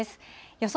予想